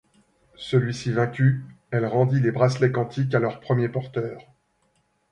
Celui-ci vaincu, elle rendit les Bracelets Quantiques à leur premier porteur.